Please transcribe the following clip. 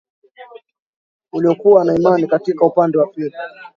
uliokuwa na imani katika upande wa pili